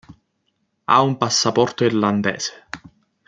Ha un passaporto irlandese.